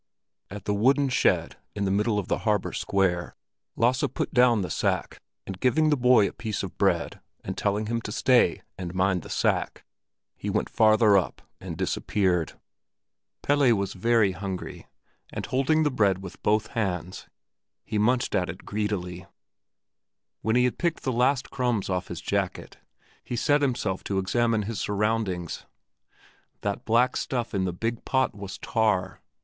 At the wooden shed in the middle of the harbor square, Lasse put down the sack, and giving the boy a piece of bread and telling him to stay and mind the sack, he went farther up and disappeared. Pelle was very hungry, and holding the bread with both hands he munched at it greedily. When he had picked the last crumbs off his jacket, he set himself to examine his surroundings. That black stuff in that big pot was tar.